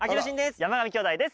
山上兄弟です。